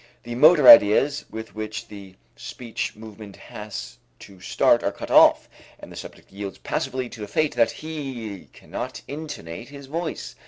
The motor ideas with which the speech movement has to start are cut off and the subject yields passively to the fate that he cannot intonate his voice.